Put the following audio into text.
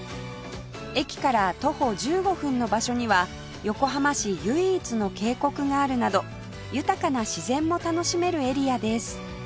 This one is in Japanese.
駅から徒歩１５分の場所には横浜市唯一の渓谷があるなど豊かな自然も楽しめるエリアです